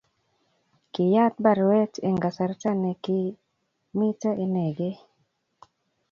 kiyaat baruet Eng' kasarta ne kimito inegei